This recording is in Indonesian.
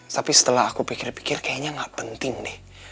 tapi setelah aku pikir pikir kayaknya gak penting deh